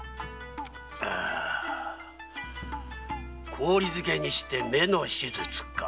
氷漬けにして目の手術か。